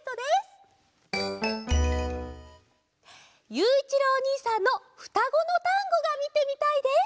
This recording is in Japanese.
ゆういちろうおにいさんの「ふたごのタンゴ」がみてみたいです！